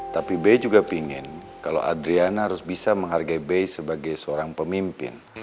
tapi be juga pingin kalo adriana harus bisa menghargai be sebagai seorang pemimpin